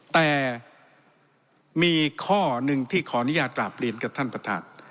แต่มีข้อหนึ่งที่ขออนุญาตกราบเรียนกับท่านประธาน